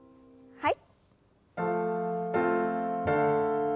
はい。